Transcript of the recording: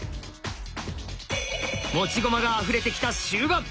持ち駒があふれてきた終盤